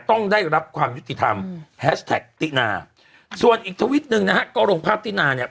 ต้องได้รับความยุติธรรมแฮชแท็กตินาส่วนอีกทวิตหนึ่งนะฮะก็ลงภาพตินาเนี่ย